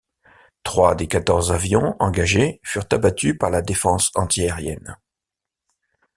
Trois des quatorze avions engagés furent abattus par la défense anti-aérienne.